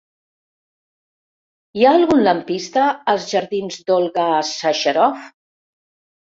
Hi ha algun lampista als jardins d'Olga Sacharoff?